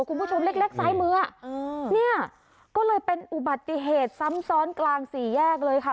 คุณผู้ชมเล็กเล็กซ้ายมือเนี่ยก็เลยเป็นอุบัติเหตุซ้ำซ้อนกลางสี่แยกเลยค่ะ